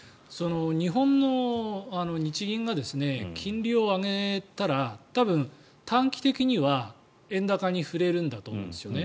日本の日銀が金利を上げたら多分、短期的には円高に振れるんだと思うんですね。